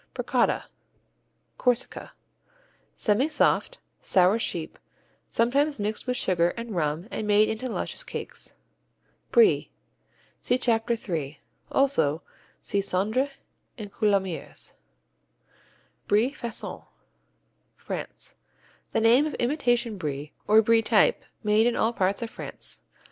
Bricotta Corsica Semisoft, sour sheep, sometimes mixed with sugar and rum and made into small luscious cakes. Brie see Chapter 3; also see Cendré and Coulommiers. Brie Façon France The name of imitation Brie or Brie type made in all parts of France.